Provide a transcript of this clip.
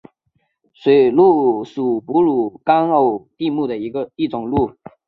水鹿属哺乳纲偶蹄目的一种鹿。